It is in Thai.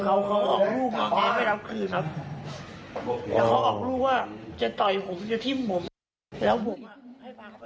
เขาก็ออกรู้ว่าจะเต่าไหมไปทิ้มหวัง